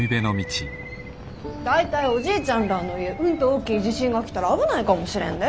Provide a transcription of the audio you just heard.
大体おじいちゃんらぁの言ううんと大きい地震が来たら危ないかもしれんで。